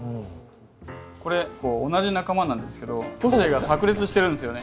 これ同じ仲間なんですけど個性がさく裂してるんですよね。